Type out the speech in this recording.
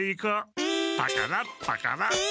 パカラパカラ。